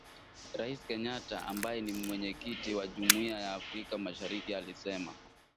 Rais Kenyatta ambaye ni Mwenyekiti wa jumuia ya Afrika mashariki alisema